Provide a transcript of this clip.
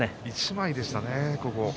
１枚でしたね。